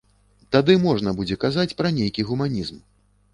Тады можна будзе казаць пра нейкі гуманізм.